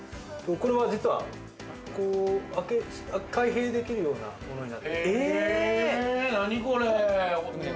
これ、実は開閉できるようなものになってます。